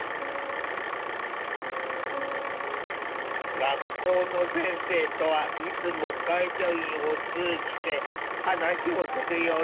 学校の先生とはいつも介助員を通じて話をするようになってしまったという。